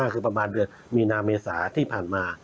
คือประมาณเดือนมีนาเมษาที่ผ่านมา